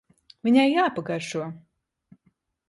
Viņai jāpagaršo.